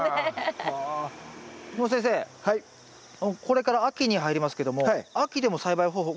これから秋に入りますけども秋でも栽培方法